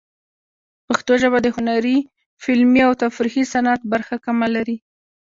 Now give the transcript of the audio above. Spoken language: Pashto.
پښتو ژبه د هنري، فلمي، او تفریحي صنعت برخه کمه لري.